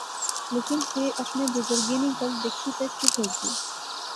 لیکن فیر اپنے بزرگیں نی گل دکھی تہ چپ ہوئی گئی